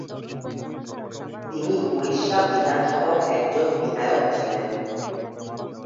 তিনি উড়িষ্যা বিধানসভার একজন বিধায়ক ছিলেন।